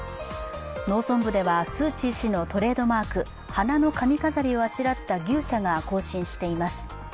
農村部ではスー・チー氏のトレードマーク花の髪飾りをあしらった牛車が行進しています。